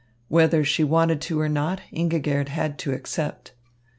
Whether she wanted to or not, Ingigerd had to accept.